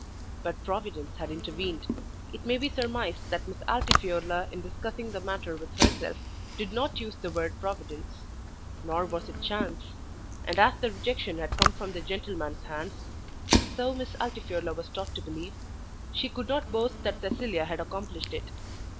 But Providence had intervened. It may be surmised that Miss Altifiorla in discussing the matter with herself did not use the word Providence. Nor was it Chance. And as the rejection had come from the gentleman's hands, so Miss Altifiorla was taught to believe, she could not boast that Cecilia had accomplished it.